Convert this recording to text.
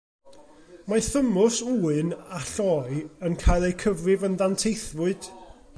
Mae thymws ŵyn a lloi yn cael eu cyfrif yn ddanteithfwyd.